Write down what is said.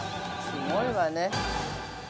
◆すごいわね。